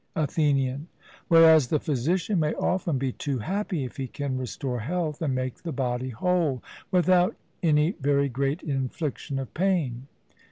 ATHENIAN: Whereas the physician may often be too happy if he can restore health, and make the body whole, without any very great infliction of pain.